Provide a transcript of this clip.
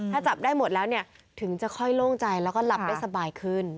ถ้าจับได้หมดแล้วเนี่ยถึงจะค่อยโล่งใจแล้วก็หลับได้สบายขึ้น